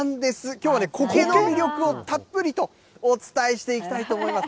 きょうはね、コケの魅力をたっぷりとお伝えしていきたいと思います。